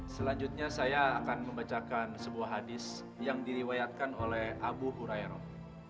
selanjutnya saya akan membacakan sebuah hadis yang diriwayatkan oleh abu hurairah